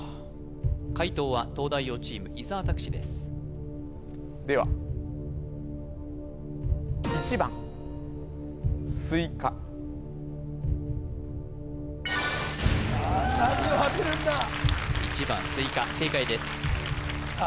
解答は東大王チーム伊沢拓司ですではさあ何をあてるんだ１番すいか正解ですさあ